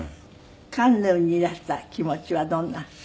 カンヌにいらした気持ちはどんな？